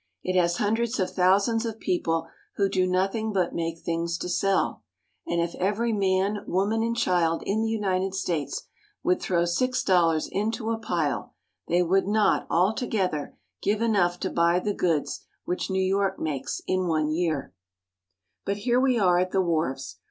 It has hundreds of thousands of people who do nothing but make things to sell ; and if every man, woman, and child in the United States would throw six dollars into a pile they would not, all together, give enough to buy the goods which New York makes in one year. Wharves, East Shore of Manhattan. But here we are at the wharves.